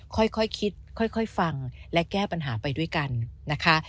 ค่อยคิดค่อยฟังและแก้ปัญหาไปด้วยกันนะคะ